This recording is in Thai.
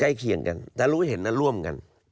เคียงกันแต่รู้เห็นและร่วมกัน